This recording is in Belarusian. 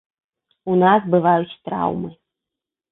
У нас бываюць траўмы.